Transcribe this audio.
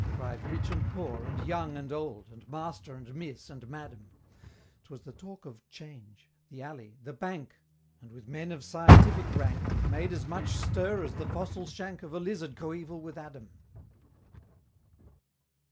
Cried rich and poor, and young and old, And Master and Miss and Madam 'Twas the talk of 'Change the Alley the Bank And with men of scientific rank, It made as much stir as the fossil shank Of a Lizard coeval with Adam!